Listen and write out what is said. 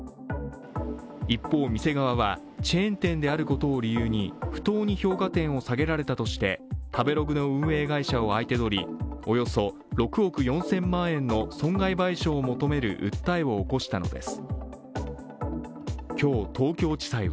一方、店側はチェーン店であることを理由に不当に評価点を下げられたとして食べログの運営会社を相手取りおよそ６億４０００万円の損賠賠償を求める訴えを起こしたのです。